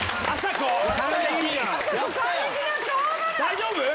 大丈夫？